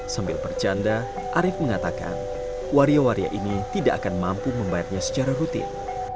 sambil bercanda arief mengatakan waria waria ini tidak akan mampu membayarnya secara rutin